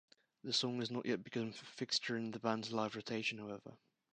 The song has not yet become a fixture in the band's live rotation, however.